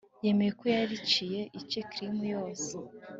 yemeye ko yariye ice cream yose